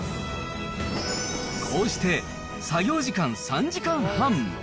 こうして、作業時間３時間半。